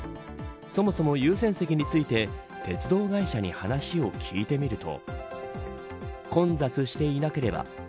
そもそも優先席について鉄道会社に話を聞いてみると。